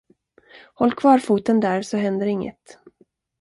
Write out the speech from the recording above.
Håll kvar foten där så händer inget.